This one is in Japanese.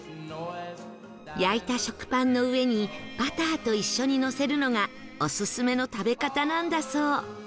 焼いた食パンの上にバターと一緒にのせるのがオススメの食べ方なんだそう